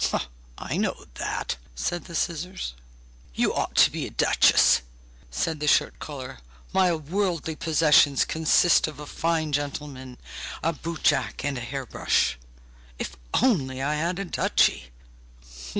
'I know that!' said the scissors. 'You ought to be a duchess!' said the shirt collar. 'My worldly possessions consist of a fine gentleman, a boot jack, and a hair brush. If only I had a duchy!